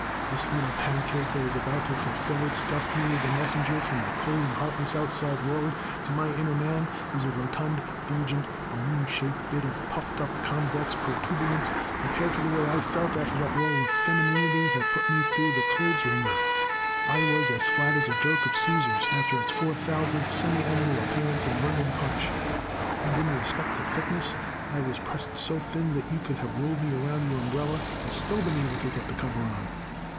This little pancake that is about to fulfill its destiny as a messenger from a cold and heartless outside world to my inner man, is a rotund, bulgent, balloon shaped bit of puffed up convex protuberance compared to the way I felt after that whirl of feminity had put me through the clothes wringer. I was as flat as a joke of Caesar's after its four thousandth semiannual appearance in London Punch, and in respect to thickness I was pressed so thin that you could have rolled me around your umbrella, and still been able to get the cover on."